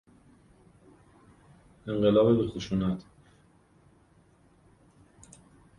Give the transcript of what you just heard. انقلاب بی خشونت